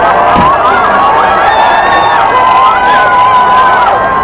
ขอบคุณทุกคน